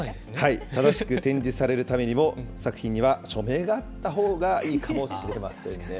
正しく展示されるためにも、作品には署名があったほうがいいかもしれませんね。